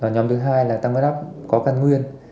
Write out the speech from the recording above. nhóm thứ hai là tăng huyết áp có căn nguyên